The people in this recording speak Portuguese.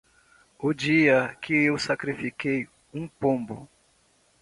O dia que eu sacrifiquei um pombo